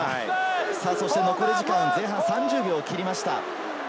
残り時間、前半３０秒を切りました。